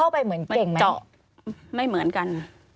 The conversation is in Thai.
มันเจาะไม่เหมือนกัน